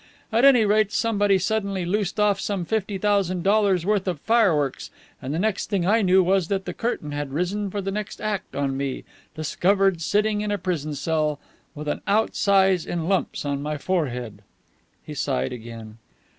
At any rate, somebody suddenly loosed off some fifty thousand dollars' worth of fireworks, and the next thing I knew was that the curtain had risen for the next act on me, discovered sitting in a prison cell, with an out size in lumps on my forehead." He sighed again.